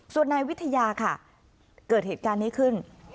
ส่วนนายวิทยาค่ะเกิดเหตุการณ์นี้ขึ้น